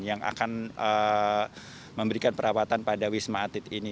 yang akan memberikan perawatan pada wisma atlet ini